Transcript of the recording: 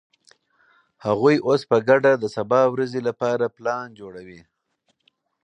هغوی اوس په ګډه د سبا ورځې لپاره پلان جوړوي.